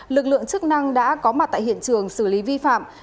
lực lượng chức năng đã có mặt tại hiện trường xử lý vi phạm